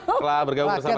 kelah bergabung bersama kami